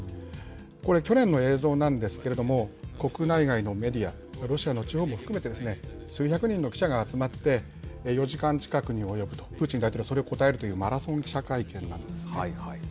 これ、去年の映像なんですけども、国内外のメディアとか、ロシアの地方も含めて、数百人の記者が集まって、４時間近くに及ぶと、プーチン大統領がそれに答えるというマラソン記者会見なんです。